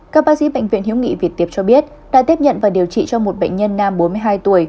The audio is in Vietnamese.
các bác sĩ bệnh viện hiếu nghị việt tiệp cho biết đã tiếp nhận và điều trị cho một bệnh nhân nam bốn mươi hai tuổi